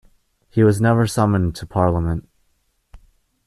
He was never summoned to Parliament.